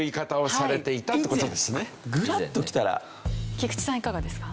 菊池さんいかがですか？